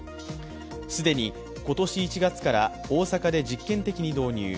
既に今年１月から大阪で実験的に導入。